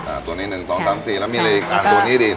ตัวนี้หนึ่งสองสามสี่แล้วมีอะไรอีกอ่างตัวนี้ดี